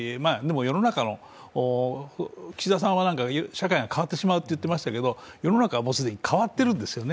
でも岸田さんは社会が変わってしまうと言ってましたけど、世の中は既に変わっているんですよね。